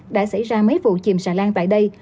đã xảy ra mấy vụ chìm xà lan tại đây